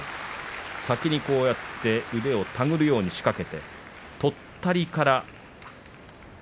先に腕を手繰るように仕掛けて、とったりから。